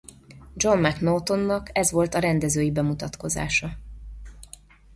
John McNaughton-nak ez volt a rendezői bemutatkozása.